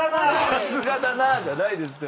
「さすがだな」じゃないですよ。